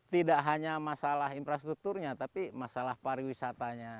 tidak hanya masalah infrastrukturnya tapi masalah pariwisatanya